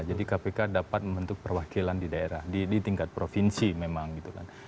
jadi kpk dapat membentuk perwakilan di daerah di tingkat provinsi memang gitu kan